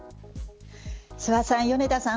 諏訪さん、米田さん